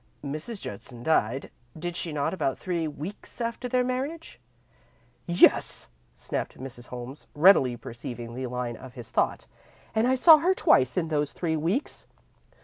Mrs. Judson died, did she not, about three weeks after their marriage?" "Yes," snapped Mrs. Holmes, readily perceiving the line of his thought, "and I saw her twice in those three weeks.